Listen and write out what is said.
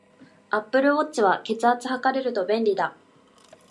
アップルウォッチは、血圧測れると便利だ